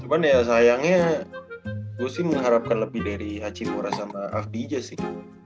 cuman ya sayangnya gue sih mengharapkan lebih dari hachimura sama afdijaz sih